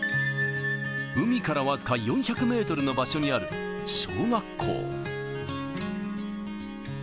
海から僅か４００メートルの場所にある小学校。